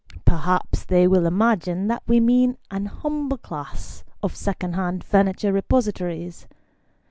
Perhaps they will imagine that we mean a humble class of second hand furniture repositories.